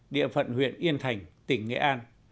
địa phận huyện yên thành tỉnh nghệ an